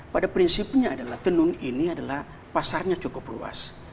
pada prinsipnya adalah tenun ini adalah pasarnya cukup luas